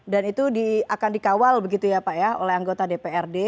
dan itu akan dikawal begitu ya pak ya oleh anggota dprd